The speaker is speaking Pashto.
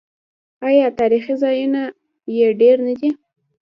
آیا تاریخي ځایونه یې ډیر نه دي؟